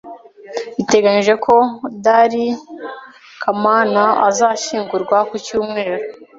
Biteganyijwe ko Darcy Kacaman azashyingurwa ku cyumweru.